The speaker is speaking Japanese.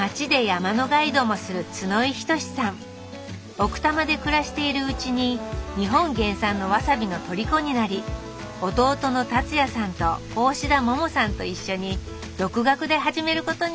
奥多摩で暮らしているうちに日本原産のわさびのとりこになり弟の竜也さんと大志田百さんと一緒に独学で始めることにしたんだって。